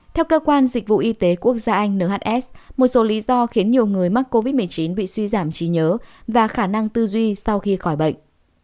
theo cơ quan dịch vụ y tế quốc gia anh nhs một số lý do khiến nhiều người mắc covid một mươi chín bị suy giảm trí nhớ và khả năng tư duy sau khi khỏi bệnh